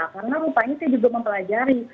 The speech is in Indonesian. karena rupanya saya juga mempelajari